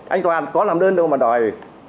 anh toàn có làm đơn đâu mà đòi